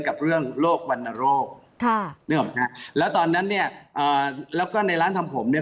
กับเรื่องโรควรรณโรคแล้วตอนนั้นเนี่ยแล้วก็ในร้านทำผมเนี่ย